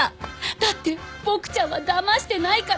だってボクちゃんはだましてないから。